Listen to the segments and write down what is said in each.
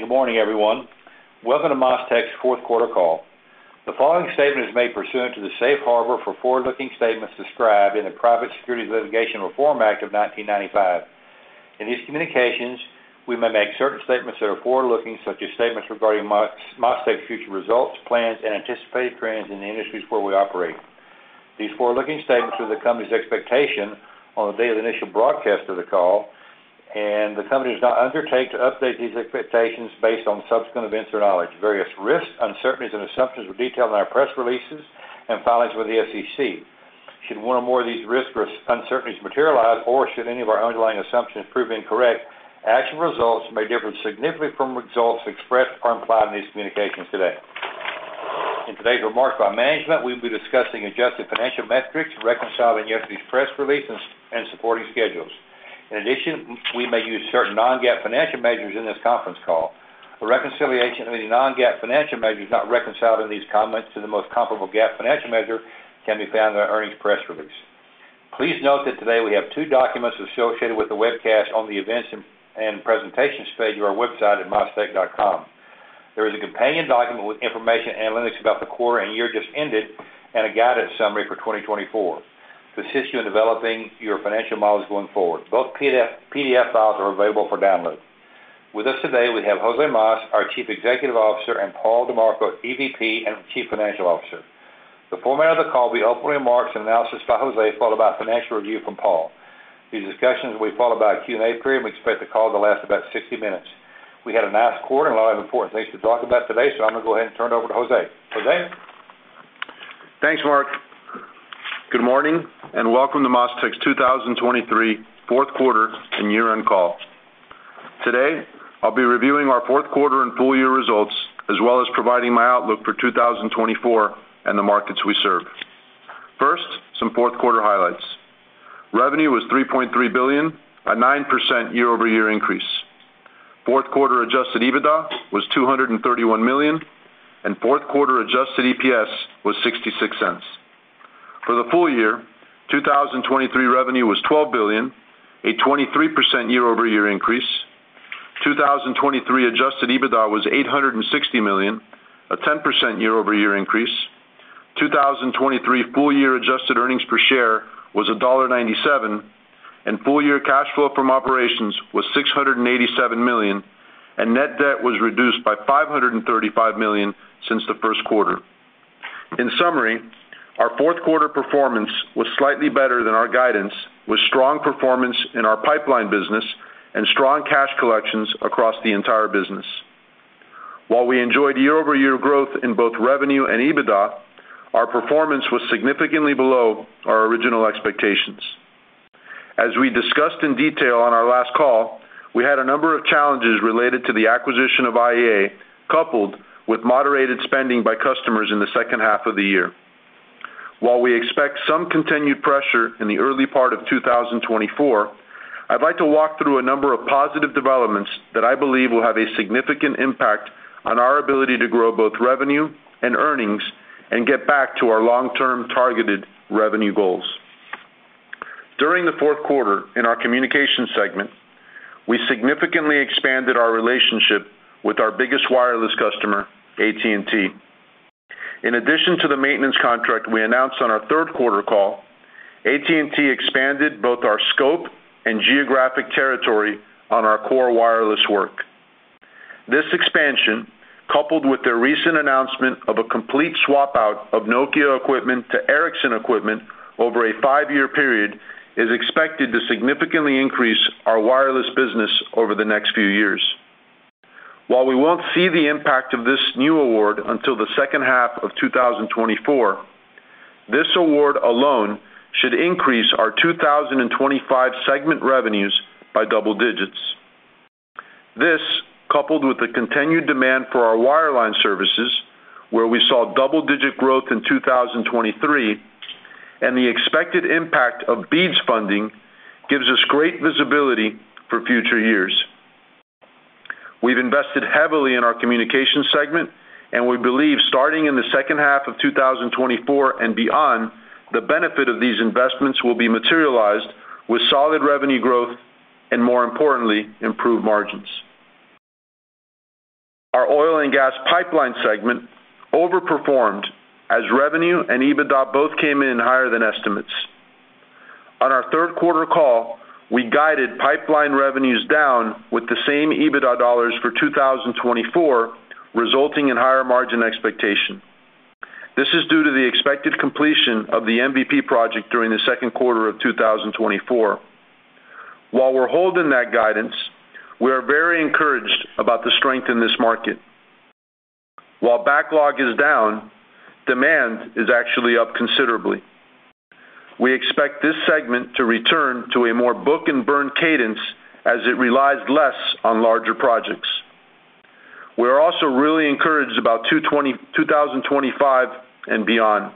Good morning, everyone. Welcome to MasTec's fourth quarter call. The following statement is made pursuant to the safe harbor for forward-looking statements described in the Private Securities Litigation Reform Act of 1995. In these communications, we may make certain statements that are forward-looking, such as statements regarding MasTec's future results, plans, and anticipated trends in the industries where we operate. These forward-looking statements are the company's expectation on the date of the initial broadcast of the call, and the company does not undertake to update these expectations based on subsequent events or knowledge. Various risks, uncertainties, and assumptions are detailed in our press releases and filings with the SEC. Should one or more of these risks or uncertainties materialize, or should any of our underlying assumptions prove incorrect, actual results may differ significantly from results expressed or implied in these communications today. In today's remarks by management, we'll be discussing adjusted financial metrics, reconciling yesterday's press release and supporting schedules. In addition, we may use certain non-GAAP financial measures in this conference call. A reconciliation of any non-GAAP financial measures not reconciled in these comments to the most comparable GAAP financial measure can be found in our earnings press release. Please note that today we have two documents associated with the webcast on the Events and Presentations page of our website at mastec.com. There is a companion document with information and analytics about the quarter and year just ended, and a guidance summary for 2024 to assist you in developing your financial models going forward. Both PDF files are available for download. With us today, we have José Mas, our Chief Executive Officer, and Paul DiMarco, EVP and Chief Financial Officer. The format of the call will be opening remarks and analysis by José, followed by a financial review from Paul. These discussions will be followed by a Q&A period. We expect the call to last about 60 minutes. We had a nice quarter and a lot of important things to talk about today, so I'm gonna go ahead and turn it over to José. José? Thanks, Marc. Good morning, and welcome to MasTec's 2023 fourth quarter and year-end call. Today, I'll be reviewing our fourth quarter and full year results, as well as providing my outlook for 2024 and the markets we serve. First, some fourth quarter highlights. Revenue was $3.3 billion, a 9% year-over-year increase. Fourth quarter Adjusted EBITDA was $231 million, and fourth quarter Adjusted EPS was $0.66. For the full year, 2023 revenue was $12 billion, a 23% year-over-year increase. 2023 Adjusted EBITDA was $860 million, a 10% year-over-year increase. 2023 full year adjusted earnings per share was $1.97, and full year cash flow from operations was $687 million, and net debt was reduced by $535 million since the first quarter. In summary, our fourth quarter performance was slightly better than our guidance, with strong performance in our pipeline business and strong cash collections across the entire business. While we enjoyed year-over-year growth in both revenue and EBITDA, our performance was significantly below our original expectations. As we discussed in detail on our last call, we had a number of challenges related to the acquisition of IEA, coupled with moderated spending by customers in the second half of the year. While we expect some continued pressure in the early part of 2024, I'd like to walk through a number of positive developments that I believe will have a significant impact on our ability to grow both revenue and earnings and get back to our long-term targeted revenue goals. During the fourth quarter, in our communication segment, we significantly expanded our relationship with our biggest wireless customer, AT&T. In addition to the maintenance contract we announced on our third quarter call, AT&T expanded both our scope and geographic territory on our core wireless work. This expansion, coupled with their recent announcement of a complete swap-out of Nokia equipment to Ericsson equipment over a 5-year period, is expected to significantly increase our wireless business over the next few years. While we won't see the impact of this new award until the second half of 2024, this award alone should increase our 2025 segment revenues by double digits. This, coupled with the continued demand for our wireline services, where we saw double-digit growth in 2023, and the expected impact of BEAD funding, gives us great visibility for future years. We've invested heavily in our communication segment, and we believe starting in the second half of 2024 and beyond, the benefit of these investments will be materialized with solid revenue growth, and more importantly, improved margins. Our oil and gas pipeline segment overperformed, as revenue and EBITDA both came in higher than estimates. On our third quarter call, we guided pipeline revenues down with the same EBITDA dollars for 2024, resulting in higher margin expectation. This is due to the expected completion of the MVP project during the second quarter of 2024. While we're holding that guidance, we are very encouraged about the strength in this market. While backlog is down, demand is actually up considerably. We expect this segment to return to a more book and burn cadence as it relies less on larger projects. We are also really encouraged about 2025 and beyond.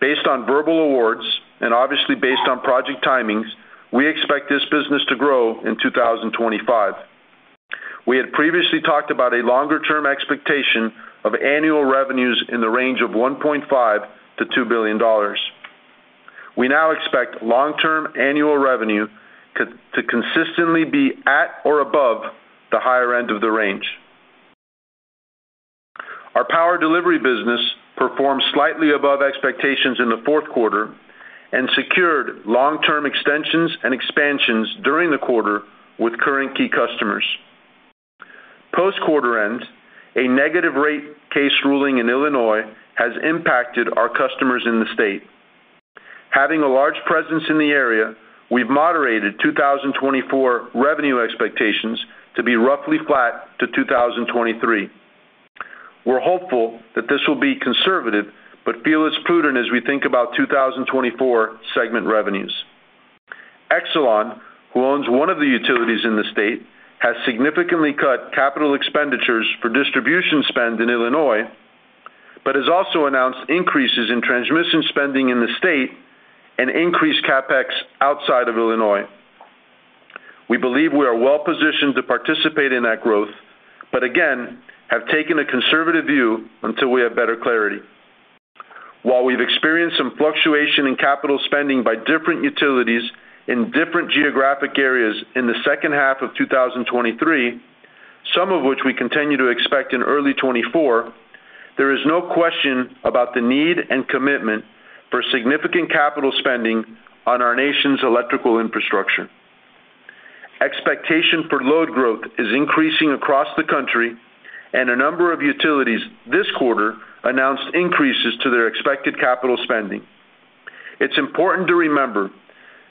Based on verbal awards, and obviously based on project timings, we expect this business to grow in 2025. We had previously talked about a longer-term expectation of annual revenues in the range of $1.5 billion-$2 billion.... We now expect long-term annual revenue to, to consistently be at or above the higher end of the range. Our power delivery business performed slightly above expectations in the fourth quarter and secured long-term extensions and expansions during the quarter with current key customers. Post-quarter end, a negative rate case ruling in Illinois has impacted our customers in the state. Having a large presence in the area, we've moderated 2024 revenue expectations to be roughly flat to 2023. We're hopeful that this will be conservative, but feel it's prudent as we think about 2024 segment revenues. Exelon, who owns one of the utilities in the state, has significantly cut capital expenditures for distribution spend in Illinois, but has also announced increases in transmission spending in the state and increased CapEx outside of Illinois. We believe we are well-positioned to participate in that growth, but again, have taken a conservative view until we have better clarity. While we've experienced some fluctuation in capital spending by different utilities in different geographic areas in the second half of 2023, some of which we continue to expect in early 2024, there is no question about the need and commitment for significant capital spending on our nation's electrical infrastructure. Expectation for load growth is increasing across the country, and a number of utilities this quarter announced increases to their expected capital spending. It's important to remember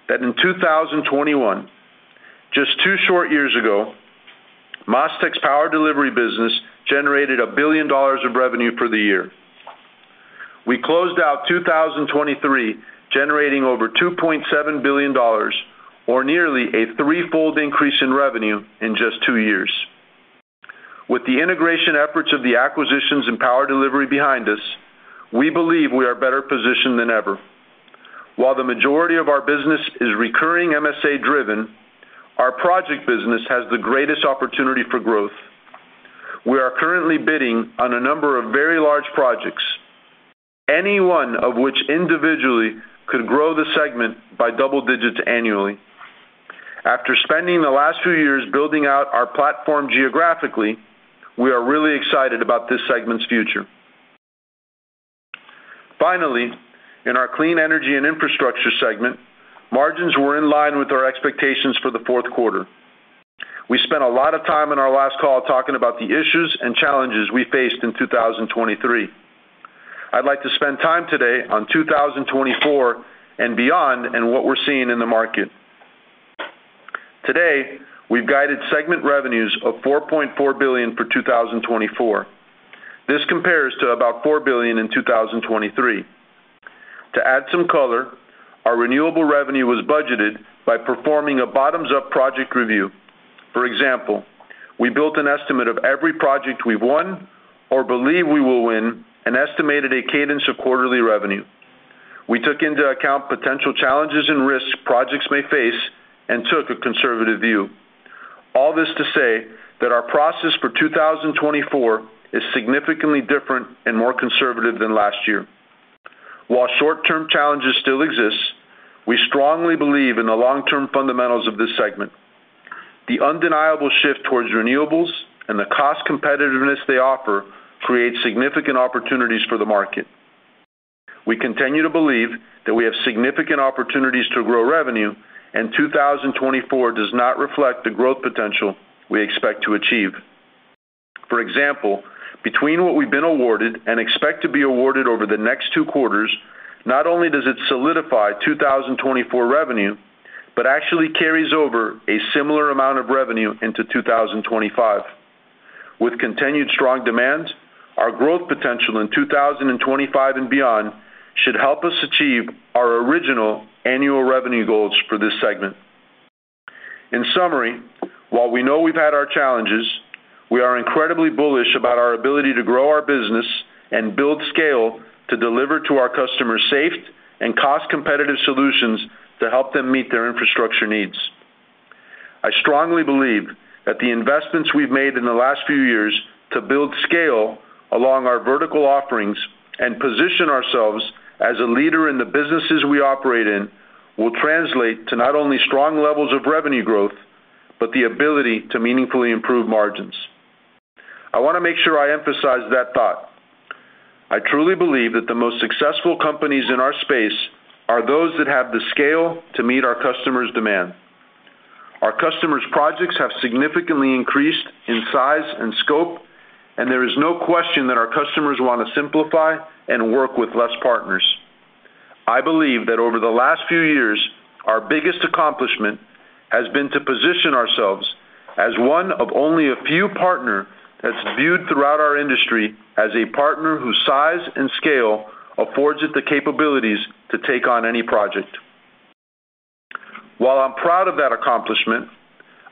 that in 2021, just two short years ago, MasTec's power delivery business generated $1 billion of revenue for the year. We closed out 2023, generating over $2.7 billion, or nearly a threefold increase in revenue in just two years. With the integration efforts of the acquisitions and power delivery behind us, we believe we are better positioned than ever. While the majority of our business is recurring MSA-driven, our project business has the greatest opportunity for growth. We are currently bidding on a number of very large projects, any one of which individually could grow the segment by double digits annually. After spending the last few years building out our platform geographically, we are really excited about this segment's future. Finally, in our clean energy and infrastructure segment, margins were in line with our expectations for the fourth quarter. We spent a lot of time on our last call talking about the issues and challenges we faced in 2023. I'd like to spend time today on 2024 and beyond, and what we're seeing in the market. Today, we've guided segment revenues of $4.4 billion for 2024. This compares to about $4 billion in 2023. To add some color, our renewable revenue was budgeted by performing a bottoms-up project review. For example, we built an estimate of every project we've won or believe we will win and estimated a cadence of quarterly revenue. We took into account potential challenges and risks projects may face and took a conservative view. All this to say that our process for 2024 is significantly different and more conservative than last year. While short-term challenges still exist, we strongly believe in the long-term fundamentals of this segment. The undeniable shift towards renewables and the cost competitiveness they offer creates significant opportunities for the market. We continue to believe that we have significant opportunities to grow revenue, and 2024 does not reflect the growth potential we expect to achieve. For example, between what we've been awarded and expect to be awarded over the next two quarters, not only does it solidify 2024 revenue, but actually carries over a similar amount of revenue into 2025. With continued strong demand, our growth potential in 2025 and beyond should help us achieve our original annual revenue goals for this segment. In summary, while we know we've had our challenges, we are incredibly bullish about our ability to grow our business and build scale to deliver to our customers safe and cost-competitive solutions to help them meet their infrastructure needs. I strongly believe that the investments we've made in the last few years to build scale along our vertical offerings and position ourselves as a leader in the businesses we operate in, will translate to not only strong levels of revenue growth, but the ability to meaningfully improve margins. I want to make sure I emphasize that thought. I truly believe that the most successful companies in our space are those that have the scale to meet our customers' demand. Our customers' projects have significantly increased in size and scope, and there is no question that our customers want to simplify and work with less partners. I believe that over the last few years, our biggest accomplishment has been to position ourselves as one of only a few partner that's viewed throughout our industry as a partner whose size and scale affords it the capabilities to take on any project. While I'm proud of that accomplishment,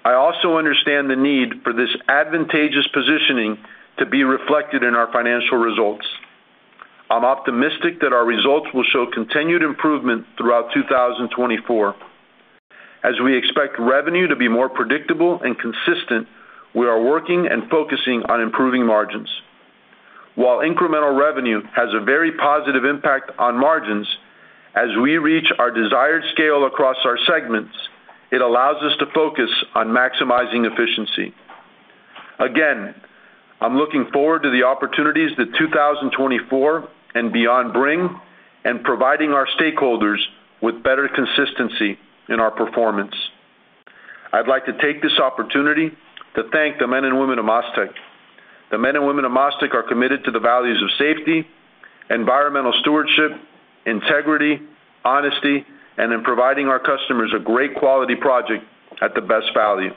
I also understand the need for this advantageous positioning to be reflected in our financial results. I'm optimistic that our results will show continued improvement throughout 2024.... As we expect revenue to be more predictable and consistent, we are working and focusing on improving margins. While incremental revenue has a very positive impact on margins, as we reach our desired scale across our segments, it allows us to focus on maximizing efficiency. Again, I'm looking forward to the opportunities that 2024 and beyond bring, and providing our stakeholders with better consistency in our performance. I'd like to take this opportunity to thank the men and women of MasTec. The men and women of MasTec are committed to the values of safety, environmental stewardship, integrity, honesty, and in providing our customers a great quality project at the best value.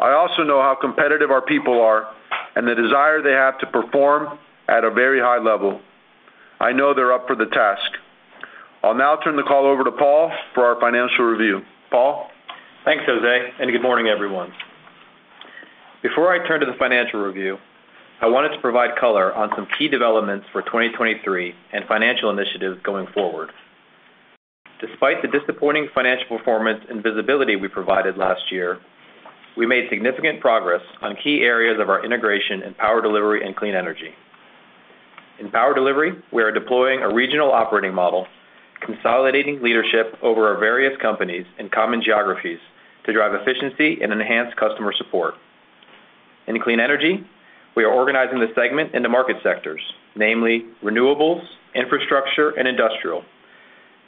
I also know how competitive our people are and the desire they have to perform at a very high level. I know they're up for the task. I'll now turn the call over to Paul for our financial review. Paul? Thanks, José, and good morning, everyone. Before I turn to the financial review, I wanted to provide color on some key developments for 2023 and financial initiatives going forward. Despite the disappointing financial performance and visibility we provided last year, we made significant progress on key areas of our integration in power delivery and clean energy. In power delivery, we are deploying a regional operating model, consolidating leadership over our various companies in common geographies to drive efficiency and enhance customer support. In clean energy, we are organizing the segment into market sectors, namely renewables, infrastructure, and industrial,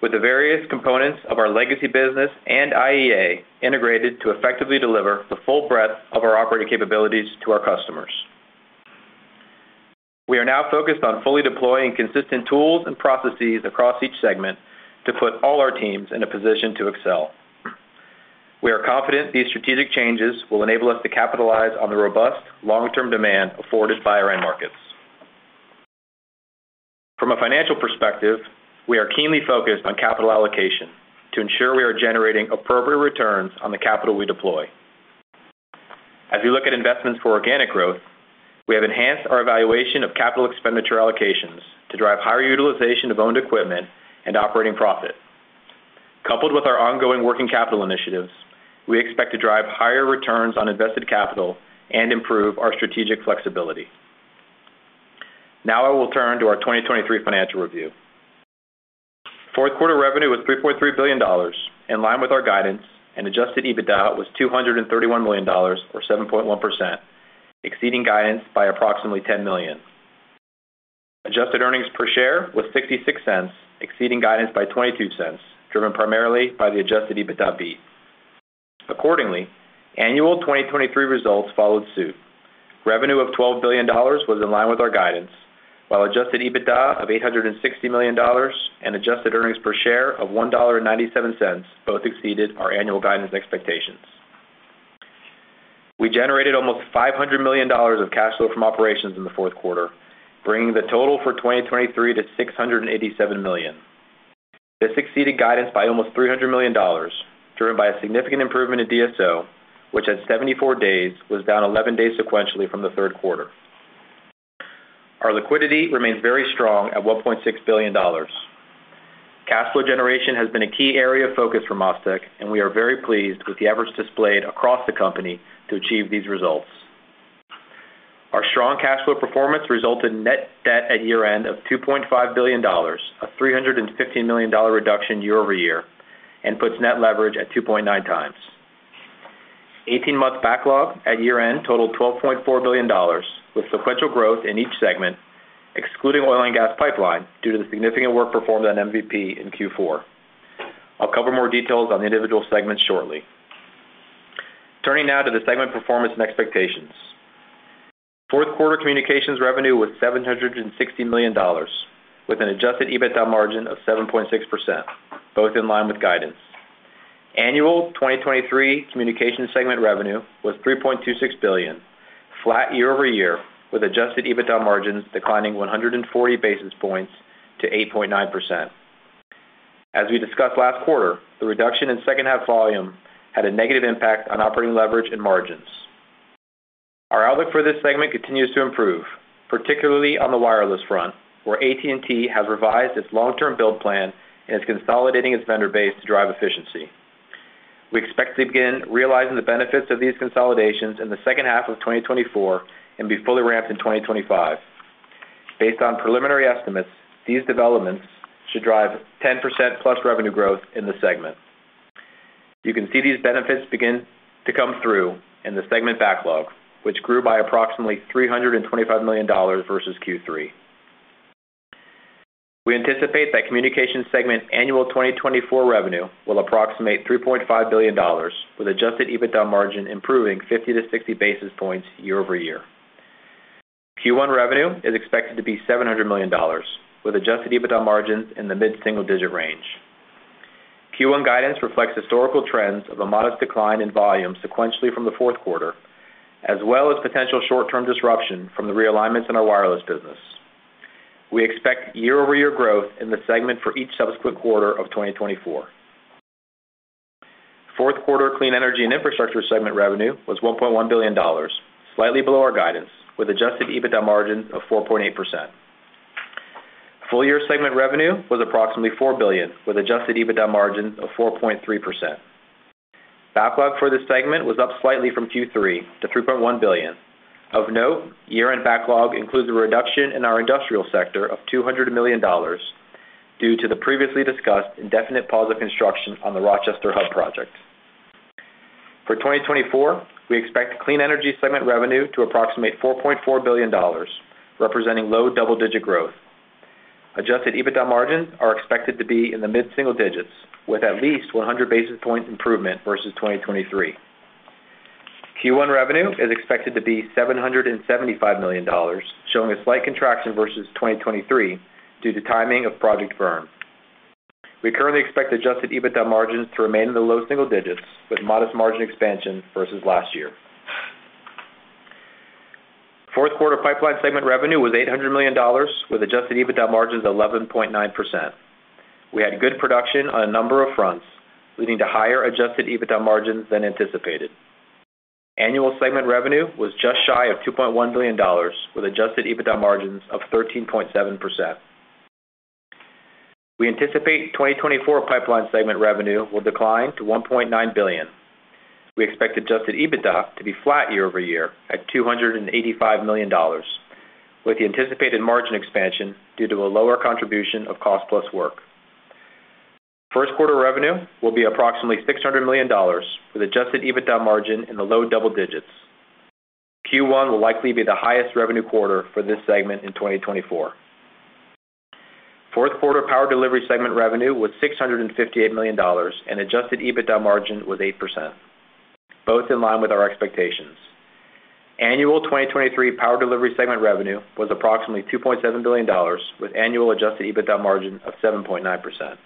with the various components of our legacy business and IEA integrated to effectively deliver the full breadth of our operating capabilities to our customers. We are now focused on fully deploying consistent tools and processes across each segment to put all our teams in a position to excel. We are confident these strategic changes will enable us to capitalize on the robust long-term demand afforded by our end markets. From a financial perspective, we are keenly focused on capital allocation to ensure we are generating appropriate returns on the capital we deploy. As we look at investments for organic growth, we have enhanced our evaluation of capital expenditure allocations to drive higher utilization of owned equipment and operating profit. Coupled with our ongoing working capital initiatives, we expect to drive higher returns on invested capital and improve our strategic flexibility. Now I will turn to our 2023 financial review. Fourth quarter revenue was $3.3 billion, in line with our guidance, and Adjusted EBITDA was $231 million, or 7.1%, exceeding guidance by approximately $10 million. Adjusted earnings per share was $0.66, exceeding guidance by $0.22, driven primarily by the Adjusted EBITDA beat. Accordingly, annual 2023 results followed suit. Revenue of $12 billion was in line with our guidance, while Adjusted EBITDA of $860 million and Adjusted earnings per share of $1.97 both exceeded our annual guidance expectations. We generated almost $500 million of cash flow from operations in the fourth quarter, bringing the total for 2023 to $687 million. This exceeded guidance by almost $300 million, driven by a significant improvement in DSO, which at 74 days, was down 11 days sequentially from the third quarter. Our liquidity remains very strong at $1.6 billion. Cash flow generation has been a key area of focus for MasTec, and we are very pleased with the efforts displayed across the company to achieve these results. Our strong cash flow performance resulted in net debt at year-end of $2.5 billion, a $350 million reduction year-over-year, and puts net leverage at 2.9 times. Eighteen-month backlog at year-end totaled $12.4 billion, with sequential growth in each segment, excluding oil and gas pipeline, due to the significant work performed on MVP in Q4. I'll cover more details on the individual segments shortly. Turning now to the segment performance and expectations. Fourth quarter communications revenue was $760 million, with an Adjusted EBITDA margin of 7.6%, both in line with guidance. Annual 2023 communications segment revenue was $3.26 billion, flat year-over-year, with Adjusted EBITDA margins declining 140 basis points to 8.9%. As we discussed last quarter, the reduction in second half volume had a negative impact on operating leverage and margins. Our outlook for this segment continues to improve, particularly on the wireless front, where AT&T has revised its long-term build plan and is consolidating its vendor base to drive efficiency. We expect to begin realizing the benefits of these consolidations in the second half of 2024 and be fully ramped in 2025. Based on preliminary estimates, these developments should drive 10%+ revenue growth in the segment. You can see these benefits begin to come through in the segment backlog, which grew by approximately $325 million versus Q3. We anticipate that communication segment annual 2024 revenue will approximate $3.5 billion, with Adjusted EBITDA margin improving 50-60 basis points year-over-year. Q1 revenue is expected to be $700 million, with Adjusted EBITDA margins in the mid-single-digit range. Q1 guidance reflects historical trends of a modest decline in volume sequentially from the fourth quarter, as well as potential short-term disruption from the realignments in our wireless business. We expect year-over-year growth in the segment for each subsequent quarter of 2024. Fourth quarter clean energy and infrastructure segment revenue was $1.1 billion, slightly below our guidance, with Adjusted EBITDA margin of 4.8%. Full year segment revenue was approximately $4 billion, with Adjusted EBITDA margin of 4.3%. Backlog for this segment was up slightly from Q3 to $3.1 billion. Of note, year-end backlog includes a reduction in our industrial sector of $200 million due to the previously discussed indefinite pause of construction on the Rochester Hub project. For 2024, we expect clean energy segment revenue to approximate $4.4 billion, representing low double-digit growth. Adjusted EBITDA margins are expected to be in the mid-single digits, with at least 100 basis point improvement versus 2023. Q1 revenue is expected to be $775 million, showing a slight contraction versus 2023 due to timing of project firm. We currently expect adjusted EBITDA margins to remain in the low single digits, with modest margin expansion versus last year. Fourth quarter pipeline segment revenue was $800 million, with adjusted EBITDA margins 11.9%. We had good production on a number of fronts, leading to higher Adjusted EBITDA margins than anticipated. Annual segment revenue was just shy of $2.1 billion, with Adjusted EBITDA margins of 13.7%. We anticipate 2024 pipeline segment revenue will decline to $1.9 billion. We expect Adjusted EBITDA to be flat year-over-year at $285 million, with the anticipated margin expansion due to a lower contribution of cost-plus work. First quarter revenue will be approximately $600 million, with Adjusted EBITDA margin in the low double digits. Q1 will likely be the highest revenue quarter for this segment in 2024. Fourth quarter power delivery segment revenue was $658 million, and Adjusted EBITDA margin was 8%, both in line with our expectations. Annual 2023 power delivery segment revenue was approximately $2.7 billion, with annual adjusted EBITDA margin of 7.9%.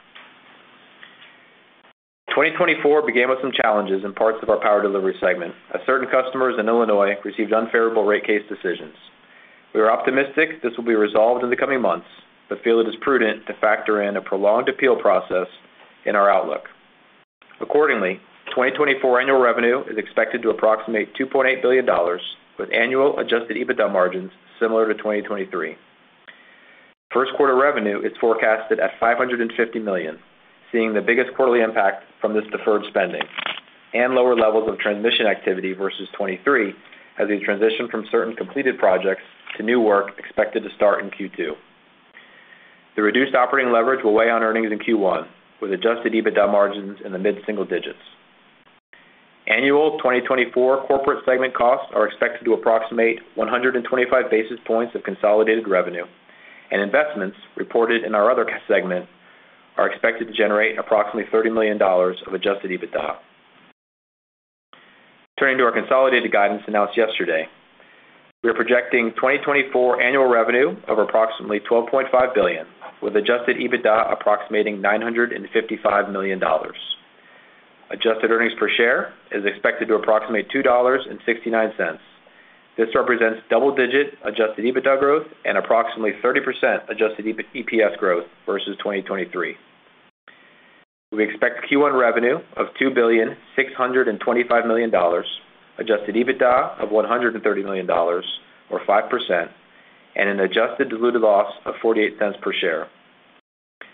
2024 began with some challenges in parts of our power delivery segment, as certain customers in Illinois received unfavorable rate case decisions. We are optimistic this will be resolved in the coming months, but feel it is prudent to factor in a prolonged appeal process in our outlook. Accordingly, 2024 annual revenue is expected to approximate $2.8 billion, with annual adjusted EBITDA margins similar to 2023. First quarter revenue is forecasted at $550 million, seeing the biggest quarterly impact from this deferred spending and lower levels of transmission activity versus 2023 as we transition from certain completed projects to new work expected to start in Q2. The reduced operating leverage will weigh on earnings in Q1, with adjusted EBITDA margins in the mid-single digits. Annual 2024 corporate segment costs are expected to approximate 125 basis points of consolidated revenue, and investments reported in our other segment are expected to generate approximately $30 million of adjusted EBITDA. Turning to our consolidated guidance announced yesterday, we are projecting 2024 annual revenue of approximately $12.5 billion, with adjusted EBITDA approximating $955 million. Adjusted earnings per share is expected to approximate $2.69. This represents double-digit adjusted EBITDA growth and approximately 30% adjusted EPS growth versus 2023. We expect Q1 revenue of $2.625 billion, adjusted EBITDA of $130 million, or 5%, and an adjusted diluted loss of $0.48 per share.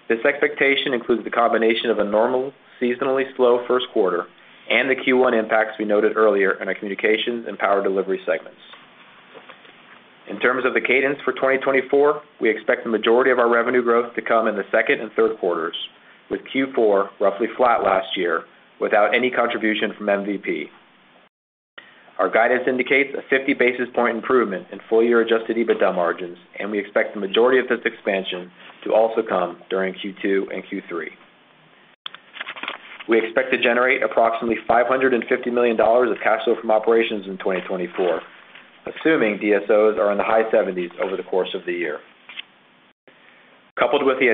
This expectation includes the combination of a normal, seasonally slow first quarter and the Q1 impacts we noted earlier in our communications and power delivery segments. In terms of the cadence for 2024, we expect the majority of our revenue growth to come in the second and third quarters, with Q4 roughly flat last year without any contribution from MVP. Our guidance indicates a 50 basis points improvement in full-year adjusted EBITDA margins, and we expect the majority of this expansion to also come during Q2 and Q3. We expect to generate approximately $550 million of cash flow from operations in 2024, assuming DSOs are in the high 70s over the course of the year. Coupled with the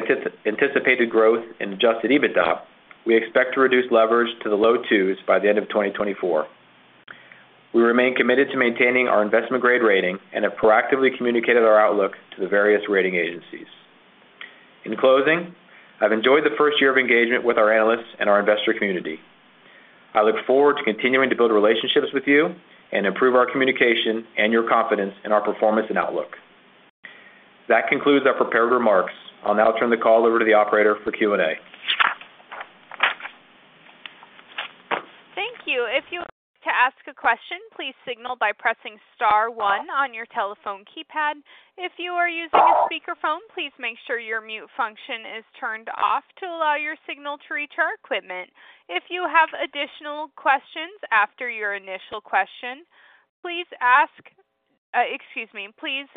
anticipated growth in adjusted EBITDA, we expect to reduce leverage to the low 2s by the end of 2024. We remain committed to maintaining our investment-grade rating and have proactively communicated our outlook to the various rating agencies. In closing, I've enjoyed the first year of engagement with our analysts and our investor community. I look forward to continuing to build relationships with you and improve our communication and your confidence in our performance and outlook. That concludes our prepared remarks. I'll now turn the call over to the operator for Q&A. Thank you. If you would like to ask a question, please signal by pressing star one on your telephone keypad. If you are using a speakerphone, please make sure your mute function is turned off to allow your signal to reach our equipment. If you have additional questions after your initial question, please ask, excuse me, please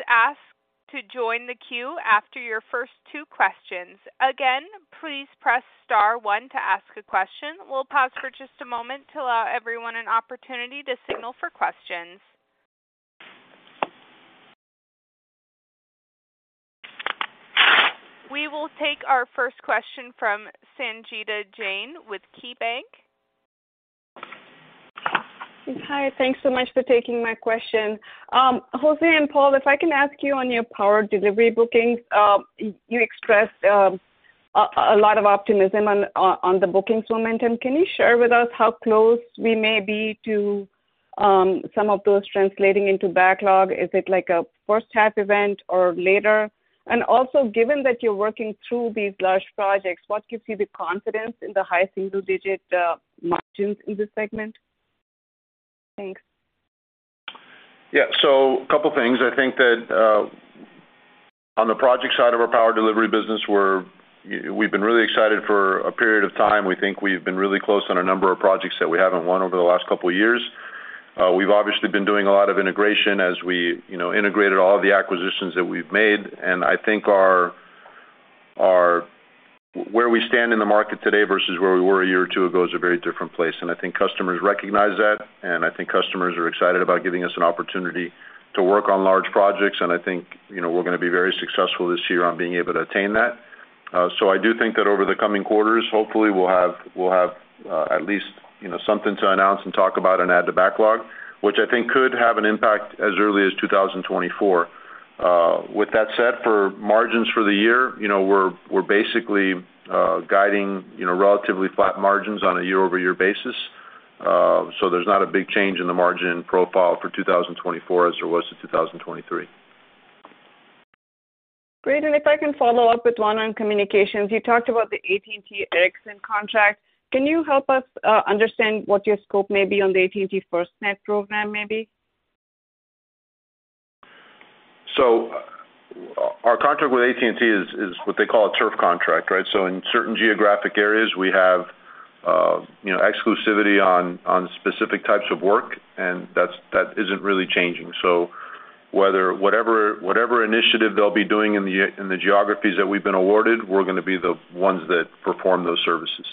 ask to join the queue after your first two questions. Again, please press star one to ask a question. We'll pause for just a moment to allow everyone an opportunity to signal for questions. We will take our first question from Sangita Jain with KeyBanc. Hi, thanks so much for taking my question. José and Paul, if I can ask you on your power delivery bookings, you expressed,... a lot of optimism on the bookings momentum. Can you share with us how close we may be to some of those translating into backlog? Is it like a first half event or later? And also, given that you're working through these large projects, what gives you the confidence in the high single-digit margins in this segment? Thanks. Yeah. So a couple things. I think that on the project side of our power delivery business, we've been really excited for a period of time. We think we've been really close on a number of projects that we haven't won over the last couple of years. We've obviously been doing a lot of integration as we, you know, integrated all of the acquisitions that we've made. And I think our, our—where we stand in the market today versus where we were a year or two ago, is a very different place, and I think customers recognize that, and I think customers are excited about giving us an opportunity to work on large projects. And I think, you know, we're gonna be very successful this year on being able to attain that. I do think that over the coming quarters, hopefully we'll have, we'll have, at least, you know, something to announce and talk about and add to backlog, which I think could have an impact as early as 2024. With that said, for margins for the year, you know, we're, we're basically, guiding, you know, relatively flat margins on a year-over-year basis. So there's not a big change in the margin profile for 2024 as there was to 2023. Great. If I can follow up with one on communications. You talked about the AT&T Ericsson contract. Can you help us understand what your scope may be on the AT&T FirstNet program, maybe? So our contract with AT&T is what they call a turf contract, right? So in certain geographic areas, we have you know exclusivity on specific types of work, and that isn't really changing. So whether whatever initiative they'll be doing in the geographies that we've been awarded, we're gonna be the ones that perform those services.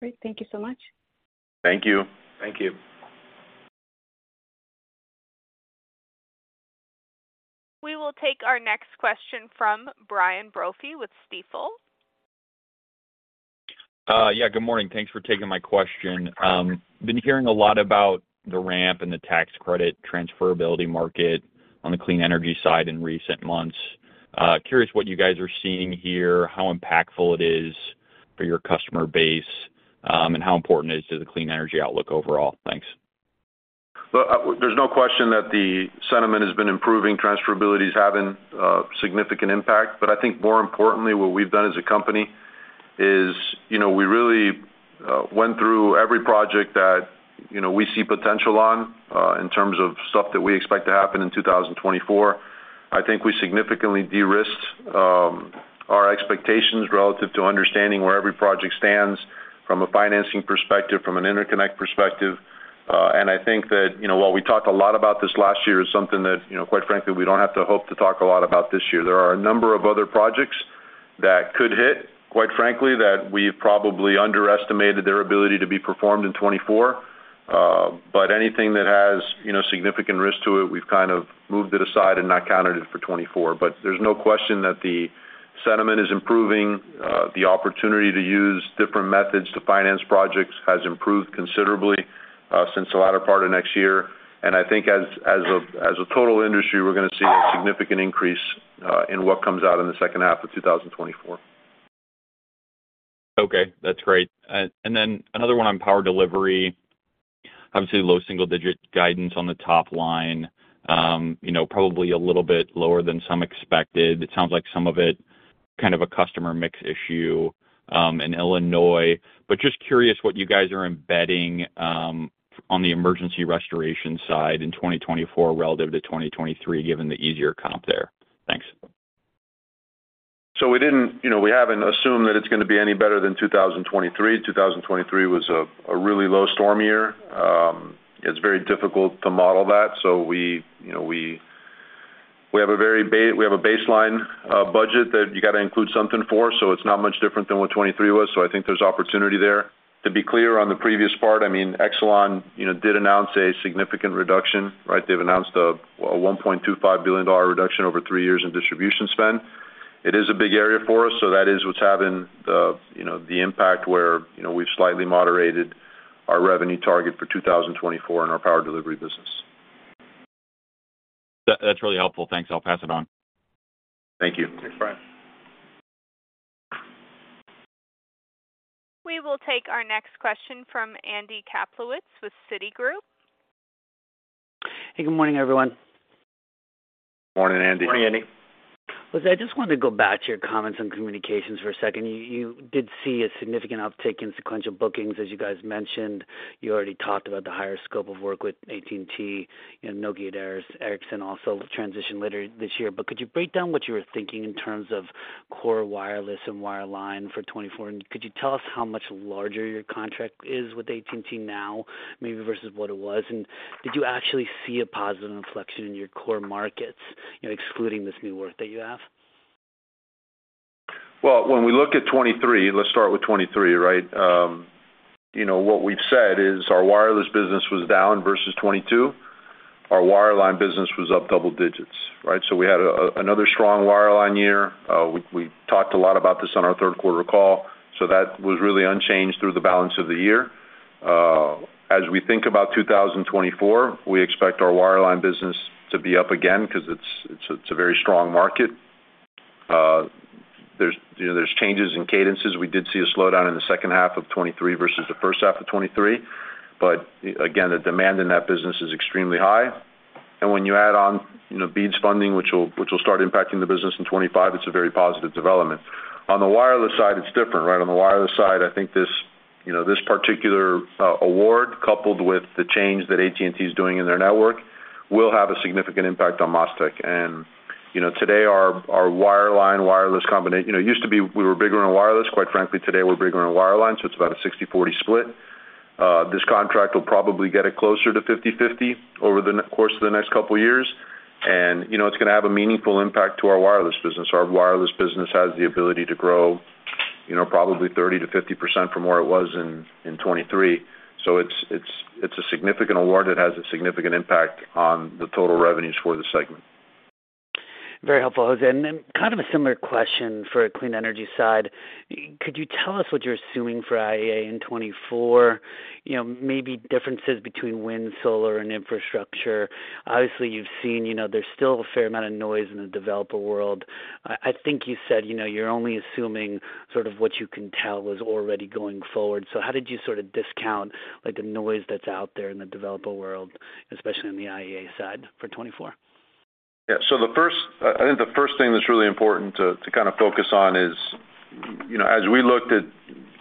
Great. Thank you so much. Thank you. Thank you. We will take our next question from Brian Brophy with Stifel. Yeah, good morning. Thanks for taking my question. Been hearing a lot about the ramp and the tax credit transferability market on the clean energy side in recent months. Curious what you guys are seeing here, how impactful it is for your customer base, and how important it is to the clean energy outlook overall. Thanks. Well, there's no question that the sentiment has been improving. Transferability is having significant impact. But I think more importantly, what we've done as a company is, you know, we really went through every project that, you know, we see potential on, in terms of stuff that we expect to happen in 2024. I think we significantly de-risked our expectations relative to understanding where every project stands from a financing perspective, from an interconnect perspective. And I think that, you know, while we talked a lot about this last year, is something that, you know, quite frankly, we don't have to hope to talk a lot about this year. There are a number of other projects that could hit, quite frankly, that we've probably underestimated their ability to be performed in 2024. But anything that has, you know, significant risk to it, we've kind of moved it aside and not counted it for 2024. But there's no question that the sentiment is improving. The opportunity to use different methods to finance projects has improved considerably, since the latter part of next year. And I think as a total industry, we're gonna see a significant increase, in what comes out in the second half of 2024. Okay, that's great. And then another one on power delivery. Obviously, low single-digit guidance on the top line, you know, probably a little bit lower than some expected. It sounds like some of it kind of a customer mix issue in Illinois. But just curious what you guys are embedding on the emergency restoration side in 2024 relative to 2023, given the easier comp there. Thanks. we didn't—you know, we haven't assumed that it's gonna be any better than 2023. 2023 was a really low storm year. It's very difficult to model that, so we, you know, we have a baseline budget that you got to include something for, so it's not much different than what 2023 was. So I think there's opportunity there. To be clear on the previous part, I mean, Exelon, you know, did announce a significant reduction, right? They've announced a $1.25 billion reduction over three years in distribution spend. It is a big area for us, so that is what's having the, you know, the impact where, you know, we've slightly moderated our revenue target for 2024 in our power delivery business. That's really helpful. Thanks. I'll pass it on. Thank you. Thanks, Brian. We will take our next question from Andy Kaplowitz with Citigroup. Hey, good morning, everyone. Morning, Andy. Morning, Andy. Listen, I just wanted to go back to your comments on communications for a second. You did see a significant uptick in sequential bookings, as you guys mentioned. You already talked about the higher scope of work with AT&T, you know, Nokia and Ericsson also transition later this year. But could you break down what you were thinking in terms of core wireless and wireline for 2024? And could you tell us how much larger your contract is with AT&T now, maybe versus what it was? And did you actually see a positive inflection in your core markets, you know, excluding this new work that you have? Well, when we look at 2023, let's start with 2023, right? You know, what we've said is our wireless business was down versus 2022. Our wireline business was up double digits, right? So we had a, another strong wireline year. We, we talked a lot about this on our third quarter call, so that was really unchanged through the balance of the year. As we think about 2024, we expect our wireline business to be up again 'cause it's, it's a very strong market. There's, you know, there's changes in cadences. We did see a slowdown in the second half of 2023 versus the first half of 2023, but again, the demand in that business is extremely high. And when you add on, you know, BEAD funding, which will, which will start impacting the business in 2025, it's a very positive development. On the wireless side, it's different, right? On the wireless side, I think this, you know, this particular award, coupled with the change that AT&T is doing in their network, will have a significant impact on MasTec. You know, today, our wireline-wireless combination... You know, it used to be we were bigger on wireless. Quite frankly, today, we're bigger on wireline, so it's about a 60/40 split. This contract will probably get it closer to 50/50 over the course of the next couple of years, and, you know, it's gonna have a meaningful impact to our wireless business. Our wireless business has the ability to grow, you know, probably 30%-50% from where it was in 2023. So it's a significant award that has a significant impact on the total revenues for the segment. Very helpful, José. And then kind of a similar question for a clean energy side. Could you tell us what you're assuming for IEA in 2024? You know, maybe differences between wind, solar, and infrastructure. Obviously, you've seen, you know, there's still a fair amount of noise in the developer world. I, I think you said, you know, you're only assuming sort of what you can tell is already going forward. So how did you sort of discount, like, the noise that's out there in the developer world, especially on the IEA side for 2024? Yeah. So the first thing that's really important to kind of focus on is, you know, as we looked at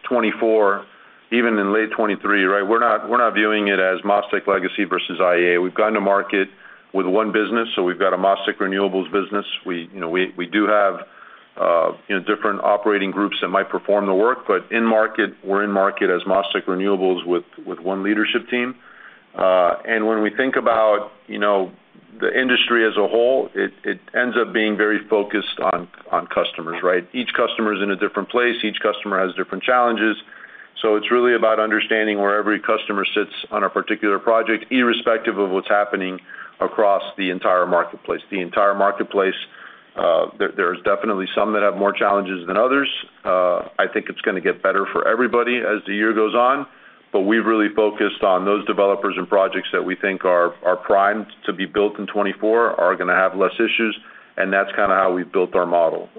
2024, even in late 2023, right? We're not viewing it as MasTec legacy versus IEA. We've gone to market with one business, so we've got a MasTec renewables business. We, you know, do have, you know, different operating groups that might perform the work, but in market, we're in market as MasTec Renewables with one leadership team. when we think about, you know, the industry as a whole, it ends up being very focused on customers, right? Each customer is in a different place. Each customer has different challenges. So it's really about understanding where every customer sits on a particular project, irrespective of what's happening across the entire marketplace. The entire marketplace, there's definitely some that have more challenges than others. I think it's gonna get better for everybody as the year goes on, but we've really focused on those developers and projects that we think are primed to be built in 2024, are gonna have less issues, and that's kind of how we've built our model.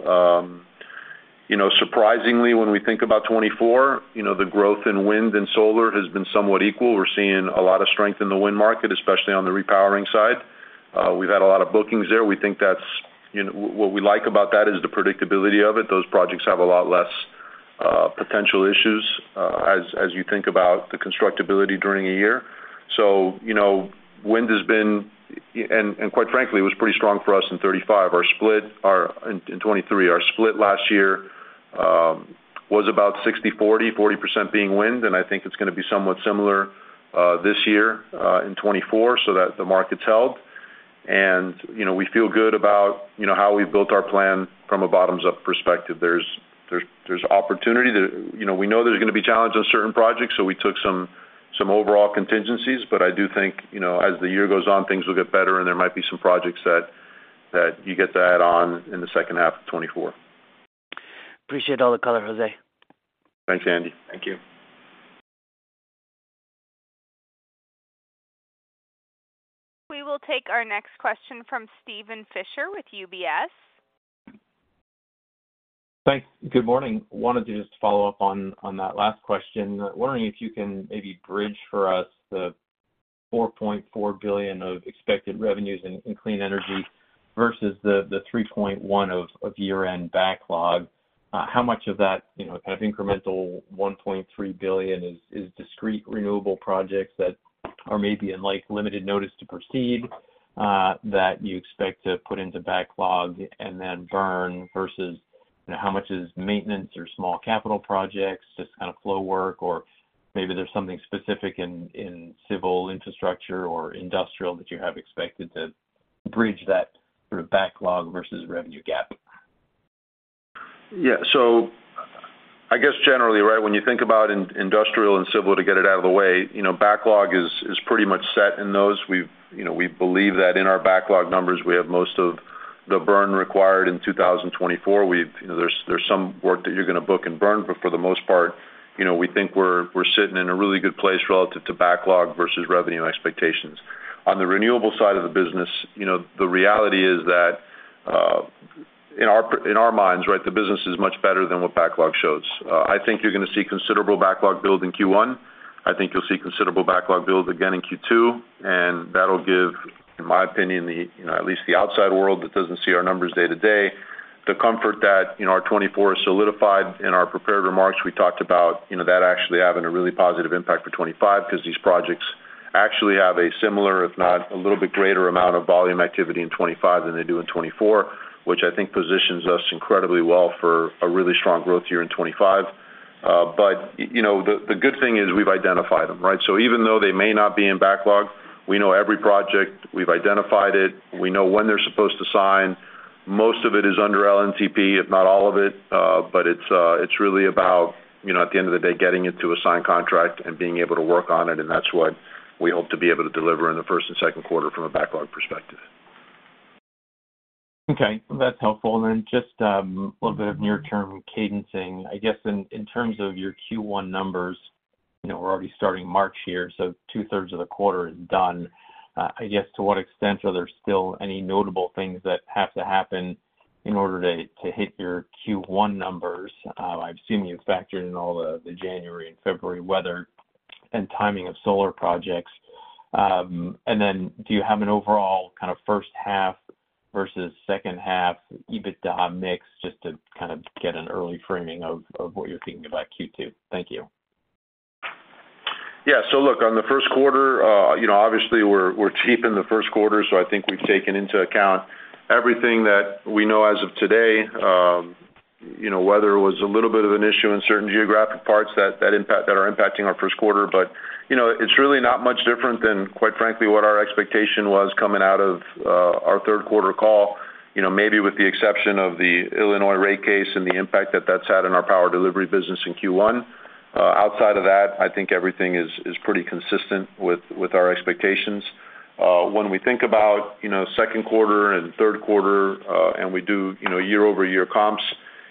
You know, surprisingly, when we think about 2024, you know, the growth in wind and solar has been somewhat equal. We're seeing a lot of strength in the wind market, especially on the repowering side. We've had a lot of bookings there. We think that's, you know, what we like about that is the predictability of it. Those projects have a lot less potential issues, as you think about the constructability during a year. So, you know, wind has been... quite frankly, it was pretty strong for us in 2035. Our split last year was about 60/40, 40% being wind, and I think it's gonna be somewhat similar this year in 2024, so that the market's held. And you know, we feel good about you know, how we've built our plan from a bottoms-up perspective. There's opportunity. You know, we know there's gonna be challenges on certain projects, so we took some overall contingencies, but I do think you know, as the year goes on, things will get better, and there might be some projects that you get to add on in the second half of 2024. Appreciate all the color, José. Thanks, Andy. Thank you. We will take our next question from Steven Fisher with UBS. Thanks. Good morning. Wanted to just follow up on that last question. Wondering if you can maybe bridge for us the $4.4 billion of expected revenues in clean energy versus the $3.1 of year-end backlog. How much of that, you know, kind of incremental $1.3 billion is discrete renewable projects that are maybe in, like, limited notice to proceed that you expect to put into backlog and then burn, versus, you know, how much is maintenance or small capital projects, just kind of flow work, or maybe there's something specific in civil infrastructure or industrial that you have expected to bridge that sort of backlog versus revenue gap? Yeah. Generally, right, when you think about industrial and civil, to get it out of the way, you know, backlog is pretty much set in those. We've you know, we believe that in our backlog numbers, we have most of the burn required in 2024. We've you know, there's some work that you're gonna book and burn, but for the most part, you know, we think we're sitting in a really good place relative to backlog versus revenue and expectations. On the renewable side of the business, you know, the reality is that in our minds, right, the business is much better than what backlog shows. I think you're gonna see considerable backlog build in Q1. I think you'll see considerable backlog build again in Q2, and that'll give, in my opinion, the, you know, at least the outside world that doesn't see our numbers day to day, the comfort that, you know, our 2024 is solidified. In our prepared remarks, we talked about, you know, that actually having a really positive impact for 2025, 'cause these projects actually have a similar, if not, a little bit greater amount of volume activity in 2025 than they do in 2024, which I think positions us incredibly well for a really strong growth year in 2025. But, you know, the good thing is we've identified them, right? So even though they may not be in backlog, we know every project, we've identified it, we know when they're supposed to sign. Most of it is under LNTP, if not all of it, but it's really about, you know, at the end of the day, getting it to a signed contract and being able to work on it, and that's what we hope to be able to deliver in the first and second quarter from a backlog perspective. Okay, that's helpful. And then just a little bit of near-term cadencing. I guess in terms of your Q1 numbers, you know, we're already starting March here, so two-thirds of the quarter is done. I guess to what extent are there still any notable things that have to happen in order to hit your Q1 numbers? I've seen you factor in all the January and February weather and timing of solar projects. And then do you have an overall kind of first half versus second half EBITDA mix, just to kind of get an early framing of what you're thinking about Q2? Thank you. Yeah. So look, on the first quarter, you know, obviously, we're cheap in the first quarter, so I think we've taken into account everything that we know as of today. You know, weather was a little bit of an issue in certain geographic parts that are impacting our first quarter. But, you know, it's really not much different than, quite frankly, what our expectation was coming out of our third quarter call, you know, maybe with the exception of the Illinois rate case and the impact that that's had on our power delivery business in Q1. Outside of that, I think everything is pretty consistent with our expectations. When we think about, you know, second quarter and third quarter, and we do, you know, year-over-year comps,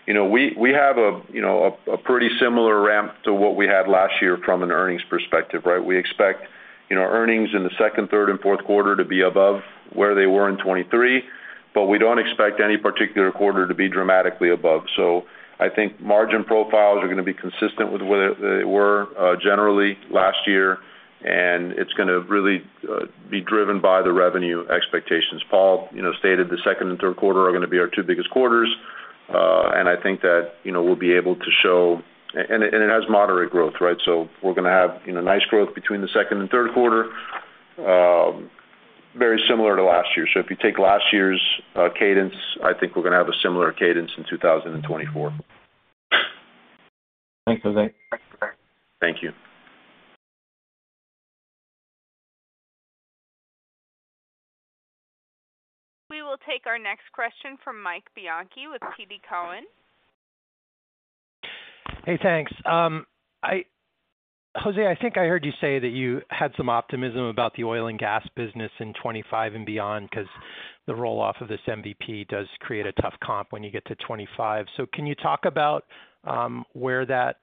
you know, we have a pretty similar ramp to what we had last year from an earnings perspective, right? We expect, you know, earnings in the second, third, and fourth quarter to be above where they were in 2023, but we don't expect any particular quarter to be dramatically above. So I think margin profiles are gonna be consistent with the way they were generally last year, and it's gonna really be driven by the revenue expectations. Paul, you know, stated the second and third quarter are gonna be our two biggest quarters, and I think that, you know, we'll be able to show – and it has moderate growth, right? So we're gonna have, you know, nice growth between the second and third quarter, very similar to last year. So if you take last year's cadence, I think we're gonna have a similar cadence in 2024. Thanks, José. Thank you. We will take our next question from Mike Bianchi with TD Cowen. Hey, thanks. José, I think I heard you say that you had some optimism about the oil and gas business in 2025 and beyond, 'cause the roll-off of this MVP does create a tough comp when you get to 2025. So can you talk about where that,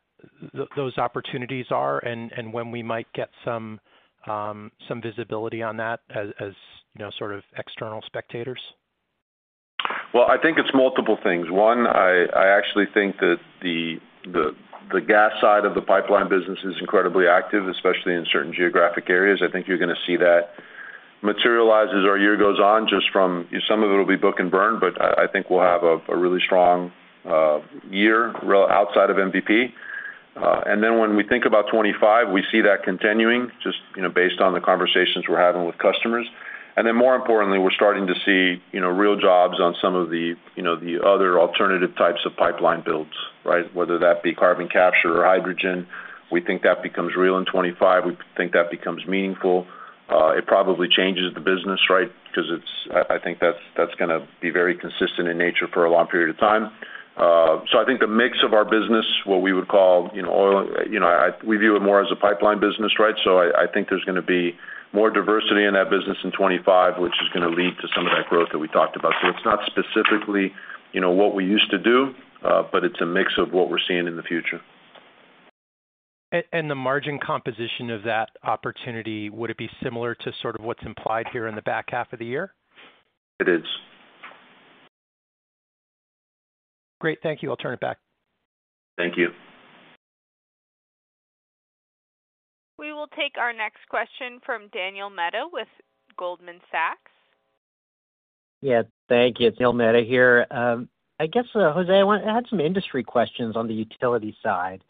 those opportunities are, and when we might get some visibility on that as, you know, sort of external spectators? Well, I think it's multiple things. One, I actually think that the gas side of the pipeline business is incredibly active, especially in certain geographic areas. I think you're gonna see that materialize as our year goes on, just from some of it will be Book and burn, but I think we'll have a really strong year outside of MVP. Then when we think about 2025, we see that continuing, just, you know, based on the conversations we're having with customers. And then more importantly, we're starting to see, you know, real jobs on some of the, you know, the other alternative types of pipeline builds, right? Whether that be carbon capture or hydrogen, we think that becomes real in 2025. We think that becomes meaningful. It probably changes the business, right, because it's I think that's gonna be very consistent in nature for a long period of time. So I think the mix of our business, what we would call, you know, oil, you know, I we view it more as a pipeline business, right? So I think there's gonna be more diversity in that business in 2025, which is gonna lead to some of that growth that we talked about. So it's not specifically, you know, what we used to do, but it's a mix of what we're seeing in the future. The margin composition of that opportunity, would it be similar to sort of what's implied here in the back half of the year? It is. Great. Thank you. I'll turn it back. Thank you. We will take our next question from Neil Mehta with Goldman Sachs. Yeah, thank you. It's Neil Mehta here. I guess, José, I want-- I had some industry questions on the utility side,